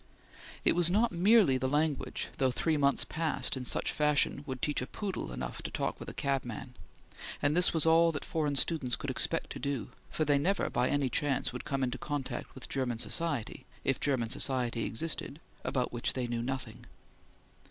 It was not merely the language, though three months passed in such fashion would teach a poodle enough to talk with a cabman, and this was all that foreign students could expect to do, for they never by any chance would come in contact with German society, if German society existed, about which they knew nothing.